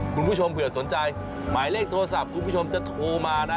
คุณผู้ชมเผื่อสนใจหมายเลขโทรศัพท์คุณผู้ชมจะโทรมานะ